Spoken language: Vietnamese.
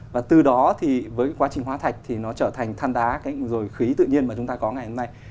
và từ đó thì với quá trình hóa thạch thì nó trở thành than đá rồi khí tự nhiên mà chúng ta có ngày hôm nay